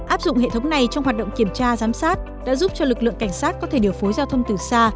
áp dụng hệ thống này trong hoạt động kiểm tra giám sát đã giúp cho lực lượng cảnh sát có thể điều phối giao thông từ xa